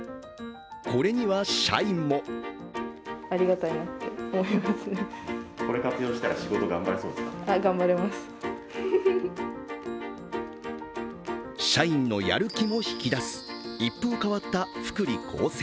これには社員も社員のやる気も引き出す一風変わった福利厚生。